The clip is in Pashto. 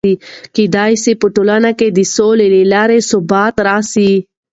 کېدای سي په ټولنه کې د سولې له لارې ثبات راسي.